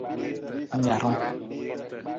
Narung.